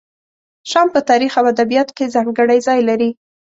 شام په تاریخ او ادبیاتو کې ځانګړی ځای لري.